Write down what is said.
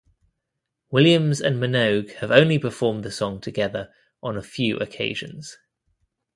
Williams and Minogue have only performed the song together on a few occasions.